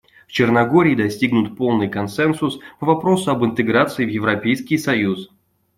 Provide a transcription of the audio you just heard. В Черногории достигнут полный консенсус по вопросу об интеграции в Европейский союз.